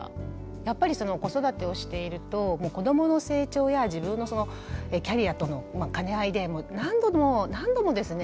やっぱりその子育てをしていると子どもの成長や自分のそのキャリアとの兼ね合いで何度も何度もですね